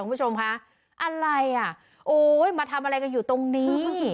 คุณผู้ชมคะอะไรอ่ะโอ้ยมาทำอะไรกันอยู่ตรงนี้